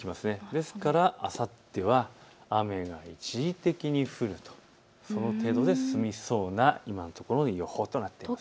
ですからあさっては雨が一時的に降る、その程度で済みそうな、今のところの予報となっています。